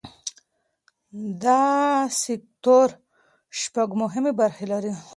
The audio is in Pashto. دا سکتور شپږ مهمې برخې لري.